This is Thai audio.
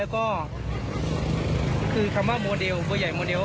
คือคำว่าโมเดลโมเดลใหญ่